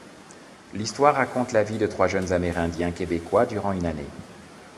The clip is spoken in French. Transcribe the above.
L'histoire raconte la vie de trois jeunes amérindiens québécois durant une année.